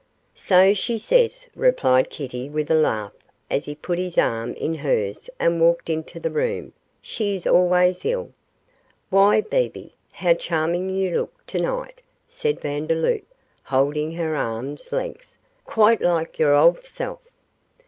'So she says,' replied Kitty, with a laugh, as he put his arm in hers and walked into the room; 'she is always ill.' 'Why, Bebe, how charming you look tonight,' said Vandeloup, holding her at arm's length; 'quite like your old self.